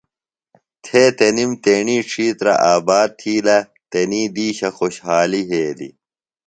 تھے تنِم تیݨی ڇِھیترہ آباد تِھیلہ۔ تنی دِیشہ خوشحالیۡ یھیلیۡ۔